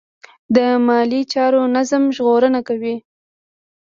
د مالي چارو نظم ژغورنه کوي.